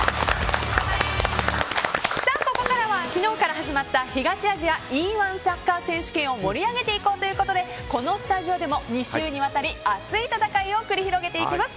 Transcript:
ここからは昨日から始まった東アジアＥ‐１サッカー選手権を盛り上げていこうということでこのスタジオでも２週にわたり熱い戦いを繰り広げていきます。